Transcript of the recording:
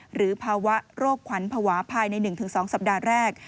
หรือภาวะโรคขวัญภาวะภายใน๑๒สัปดาห์แรก